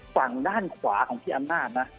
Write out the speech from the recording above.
ฝั่งด้านขวาของพี่อำนาจนะ